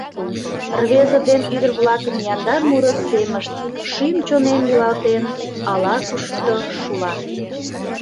Рвезе ден ӱдыр-влакын яндар муро семышт, Шӱм-чонем йӱлатен, ала-кушто шула.